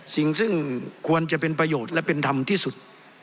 สิ่งซึ่งควรจะเป็นประโยชน์และเป็นธรรมที่สุด